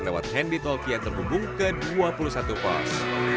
lewat handytalk yang terhubung ke dua puluh satu pos